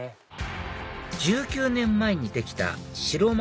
１９年前にできた白丸